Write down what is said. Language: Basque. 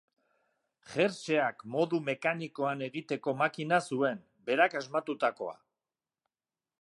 Jertseak modu mekanikoan egiteko makina zuen, berak asmatutakoa.